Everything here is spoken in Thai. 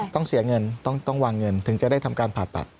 ต้องเสียเงินต้องวางเงินถึงจะได้ทำการผ่าตัด